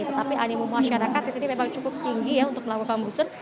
tetapi animum masyarakat di sini memang cukup tinggi ya untuk melakukan booster